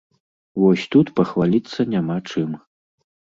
Вось тут пахваліцца няма чым.